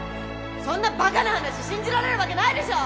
そんなバカな話信じられるわけないでしょ！